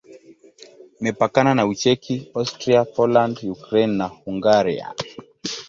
Imepakana na Ucheki, Austria, Poland, Ukraine na Hungaria.